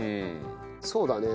そうだね。